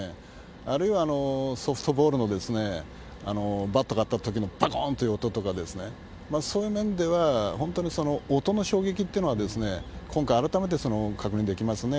あるいは、ソフトボールのバットが当たったときの、ぱこーんという音とかですね、そういう面では、本当に音の衝撃ってのは、今回、改めて確認できますね。